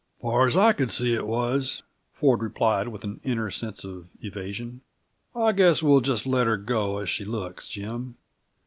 "Far as I could see, it was," Ford replied, with an inner sense of evasion. "I guess we'll just let her go as she looks, Jim.